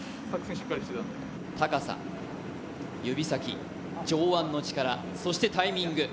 高さ、指先、上腕の力、そしてタイミング。